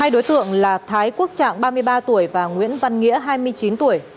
hai đối tượng là thái quốc trạng ba mươi ba tuổi và nguyễn văn nghĩa hai mươi chín tuổi